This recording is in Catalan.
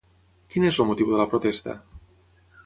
Quin és el motiu de la protesta?